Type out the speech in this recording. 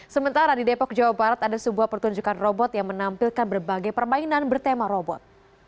sementara di depok jawa barat ada sebuah pertunjukan robot yang menampilkan berbagai permainan bertema robot